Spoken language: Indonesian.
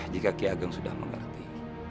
jika ki ageng sudah mengerti